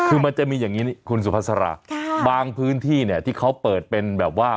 คือมันจะมีอย่างนี้คุณสุภาษาบางพื้นที่เนี่ยที่เขาเปิดเป็นแบบว่า